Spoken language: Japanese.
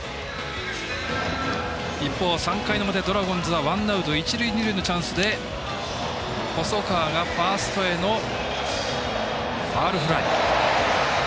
一方３回の表、ドラゴンズはワンアウト、一塁二塁のチャンスで細川がファーストへのファウルフライ。